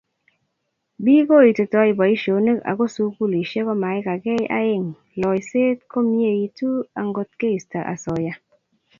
Biik koititoi boisionik ako sugulisyek koimaikagee: aeng', loiseet komieitu angot keisto asoya.